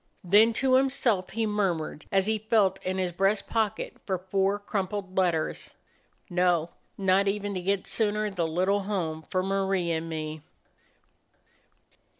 Then to himself he murmured, as he felt in his breast pocket for four crumpled letters : "No, not even to get sooner the little home for Marie and me!"